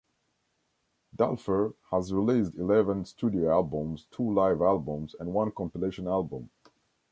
Dulfer has released eleven studio albums, two live albums, and one compilation album.